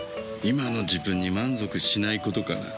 今の自分に満足しないことかな。